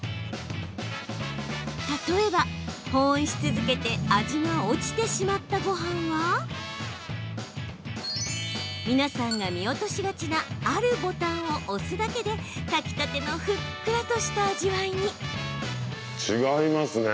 例えば保温し続けて味が落ちてしまったごはんは皆さんが見落としがちなあるボタンを押すだけで炊きたてのふっくらとした味わいに。